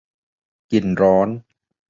กินร้อน